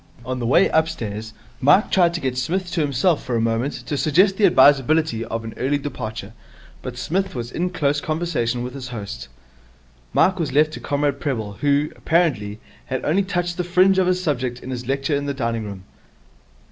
On the way upstairs Mike tried to get Psmith to himself for a moment to suggest the advisability of an early departure; but Psmith was in close conversation with his host. Mike was left to Comrade Prebble, who, apparently, had only touched the fringe of his subject in his lecture in the dining room.